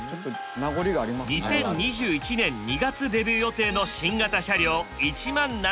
２０２１年２月デビュー予定の新型車両１７０００系。